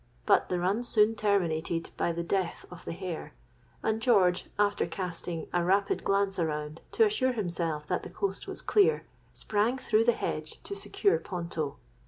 But the run soon terminated by the death of the hare; and George, after casting a rapid glance around to assure himself that the coast was clear, sprang through the hedge to secure Ponto.